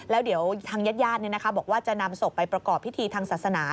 แล้วเดี๋ยวทางญาติบอกว่าจะนำศพไปประกอบพิธีทางศาสนา